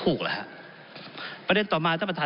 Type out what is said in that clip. ผมบอกเลยครับว่าเขาก็เขียนชัดเจนครับ